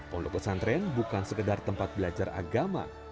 pondok pesantren bukan sekedar tempat belajar agama